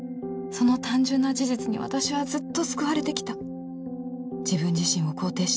その単純な事実に私はずっと救われてきた。